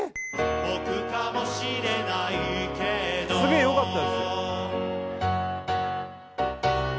僕かもしれないけどすげえよかったですよねえ